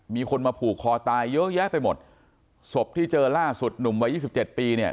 มีคนมาผูกคอตายเยอะแยะไปหมดศพที่เจอล่าสุดหนุ่มวัยยี่สิบเจ็ดปีเนี่ย